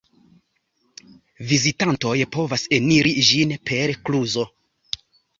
Vizitantoj povas eniri ĝin per kluzo.